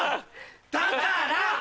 だから！